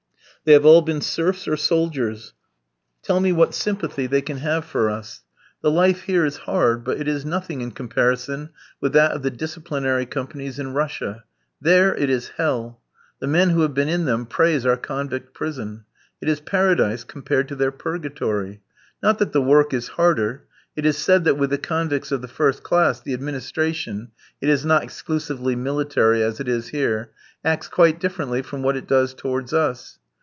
They have all been serfs or soldiers. Tell me what sympathy can they have for us. The life here is hard, but it is nothing in comparison with that of the disciplinary companies in Russia. There it is hell. The men who have been in them praise our convict prison. It is paradise compared to their purgatory. Not that the work is harder. It is said that with the convicts of the first class the administration it is not exclusively military as it is here acts quite differently from what it does towards us.